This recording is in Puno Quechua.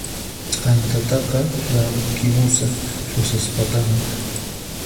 T'antataqa rakimusaq Rosaspataman